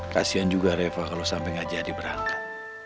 kasian juga reva kalau sampai gak jadi berangkat